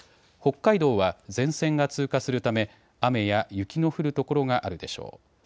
北海道は前線が通過するため雨や雪の降る所があるでしょう。